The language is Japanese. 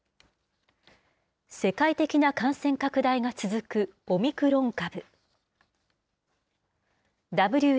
世界的な感染拡大が続くオミクロン株。